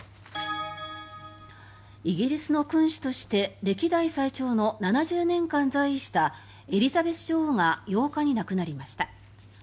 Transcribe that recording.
イギリスの君主として歴代最長の７０年間在位したエリザベス女王が８日に亡くなりました。